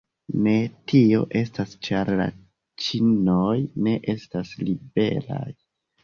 Ne, tio estas ĉar la ĉinoj ne estis liberaj.